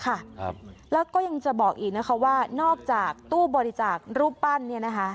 ครับแล้วก็ยังจะบอกอีกนะคะว่านอกจากตู้บริจาครูปปั้นเนี่ยนะคะ